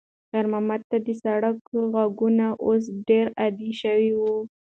خیر محمد ته د سړک غږونه اوس ډېر عادي شوي وو.